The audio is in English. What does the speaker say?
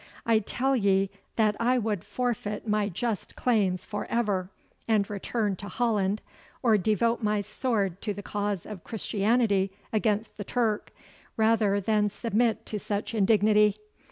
I tell ye that I would forfeit my just claims for ever, and return to Holland, or devote my sword to the cause of Christianity against the Turk, rather than submit to such indignity.